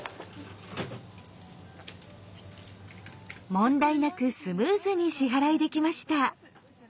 問題なくスムーズに支払いできました。